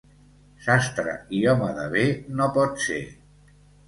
Sastre i home de bé no pot ser.